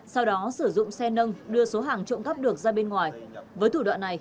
sau đó sử dụng xe nâng đưa số hàng trộm cắp được ra bên ngoài với thủ đoạn này